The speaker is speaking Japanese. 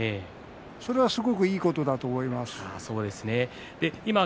それがすごくいいことだと思います。